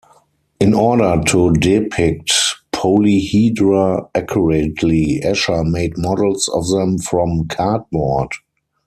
In order to depict polyhedra accurately, Escher made models of them from cardboard.